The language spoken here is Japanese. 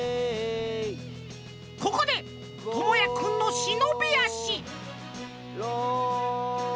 ここでともやくんの忍び足６。